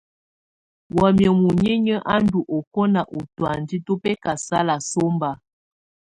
Wamɛ̀á muninyǝ a ndù ɔkɔna u tɔ̀ánjɛ tù bɛkasala sɔmba.